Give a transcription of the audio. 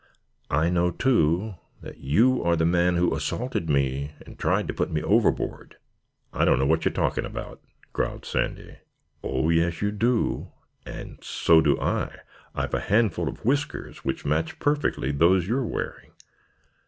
"I know, too, that you are the man who assaulted me and tried to put me overboard." "I don't know what ye're talking about," growled Sandy. "Oh, yes you do and so do I! I've a handful of whiskers which match perfectly those you are wearing.